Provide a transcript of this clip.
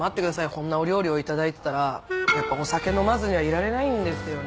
こんなお料理を頂いてたらやっぱお酒飲まずにはいられないんですよね。